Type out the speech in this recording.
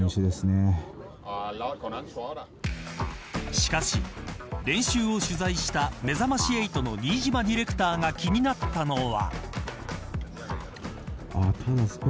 しかし練習を取材した、めざまし８の新島ディレクターが気になったのは。